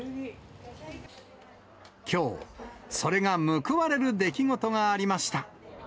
きょう、それが報われる出来事がありました。